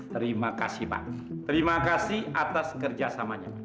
terima kasih pak terima kasih atas kerjasamanya